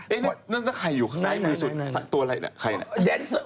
เอ๊ะนั่นจะใครอยู่ข้างซ้ายมือสุดตัวอะไรเนี่ยใครเนี่ยนั่นจะใครอยู่ข้างซ้ายมือสุดตัวอะไรเนี่ย